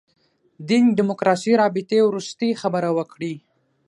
دین دیموکراسي رابطې وروستۍ خبره وکړي.